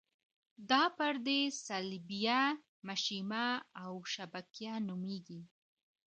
دا پردې صلبیه، مشیمیه او شبکیه نومیږي.